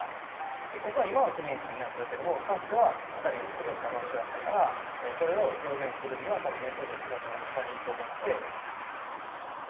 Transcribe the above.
でここは今は記念館になっとるけどもかつては２人が過ごした場所やったからそれを表現するには多分寝とる姿が一番いいと思って。